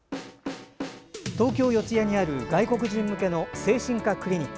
東京・四谷にある外国人向けの精神科クリニック。